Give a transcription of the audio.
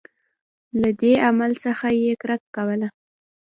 له دې عمل څخه یې کرکه کوله.